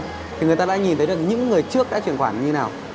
thì người ta đã nhìn thấy được những người trước đã chuyển khoản như nào